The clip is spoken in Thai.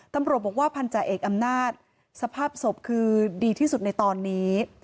ตำรวจบอกว่าพันธาเอกอำนาจสภาพศพคือดีที่สุดในตอนนี้